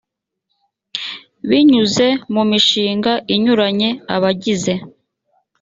binyuze mu mishinga inyuranye abagize